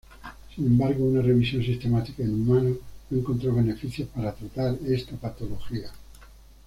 Sin embargo, una revisión sistemática en humanos no encontró beneficios para tratar esta patología.